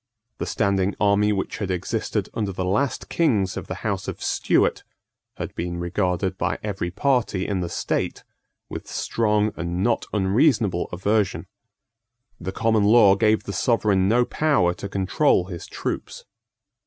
The standing army which had existed under the last kings of the House of Stuart had been regarded by every party in the state with strong and not unreasonable aversion. The common law gave the Sovereign no power to control his troops.